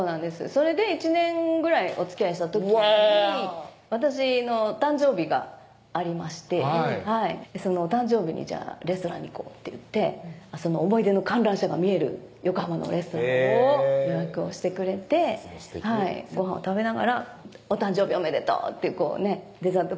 それで１年ぐらいおつきあいした時に私の誕生日がありまして「そのお誕生日にレストランに行こう」って言ってその思い出の観覧車が見える横浜のレストラン予約をしてくれてすてきごはんを食べながら「お誕生日おめでとう」ってこうねデザート